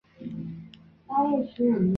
鼹形田鼠属等数种哺乳动物。